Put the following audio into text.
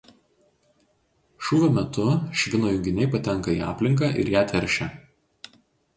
Šūvio metu švino junginiai patenka į aplinką ir ją teršia.